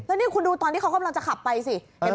แล้วนี่คุณดูตอนที่เขากำลังจะขับไปสิเห็นไหม